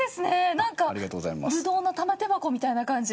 なんかブドウの玉手箱みたいな感じ。